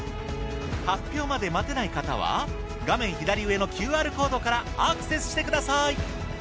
発表まで待てない方は画面左上のＱＲコードからアクセスしてください。